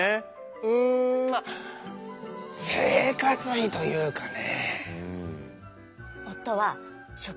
うんまあ生活費というかね。